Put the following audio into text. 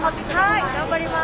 はい頑張ります。